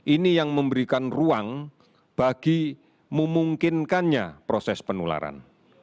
ini yang memberikan ruang bagi memungkinkannya proses penularan